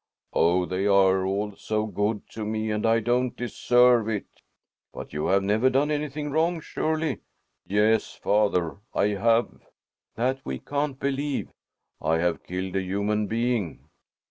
"Oh, they are all so good to me and I don't deserve it." "But you have never done anything wrong, surely?" "Yes, father, I have." "That we can't believe." "I have killed a human being!"